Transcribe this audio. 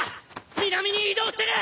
南に移動してる！